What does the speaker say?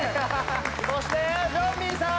そしてジョンミンさん！